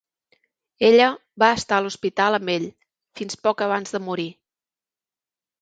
Ella va estar a l'hospital amb ell, fins poc abans de morir.